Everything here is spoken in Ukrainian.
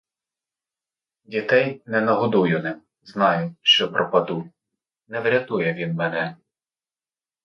Дітей не нагодую ним, знаю, що пропаду, не врятує він мене.